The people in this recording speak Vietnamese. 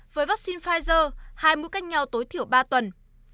với vaccine pfizer hai mua cách nhau tối thiểu ba tuần